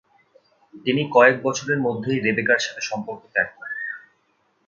তিনি কয়েক বছরের মধ্যেই রেবেকার সাথে সম্পর্ক ত্যাগ করেন।